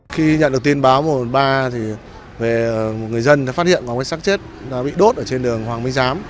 khi nhận được tin báo một trăm một mươi ba thì người dân đã phát hiện có một cái xác chết bị đốt ở trên đường hoàng minh giám